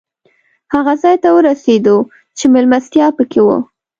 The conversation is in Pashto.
هغه ځای ته ورسېدو چې مېلمستیا پکې وه.